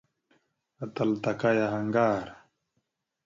Atal taka yaha ŋgar.